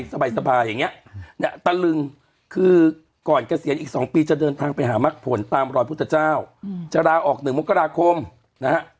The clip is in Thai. สบายอย่างนี้เนี่ยตะลึงคือก่อนเกษียณอีก๒ปีจะเดินทางไปหามักผลตามรอยพุทธเจ้าจะลาออก๑มกราคมนะฮะ